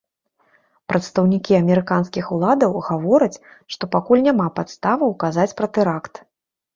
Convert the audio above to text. Прадстаўнікі амерыканскіх уладаў гавораць, што пакуль няма падставаў казаць пра тэракт.